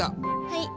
はい。